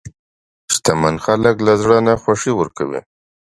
شتمن خلک له زړه نه خوښي ورکوي.